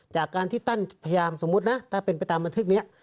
จากการที่ท่านพยายามสมมุตินะถ้าเป็นไปตามบันทึกนี้